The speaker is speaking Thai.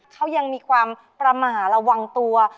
เขายังมีความประมาทระวังตัว